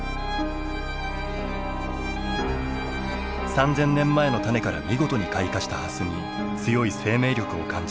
三千年前の種から見事に開花した蓮に強い生命力を感じ